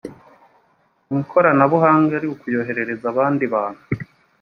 mu ikoranabuhanga ari ukuyoherereza abandi bantu